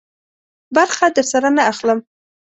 برخه درسره نه اخلم.